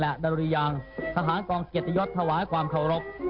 และดริยางทหารกองเกียรติยศถวายความเคารพ